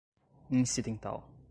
incidental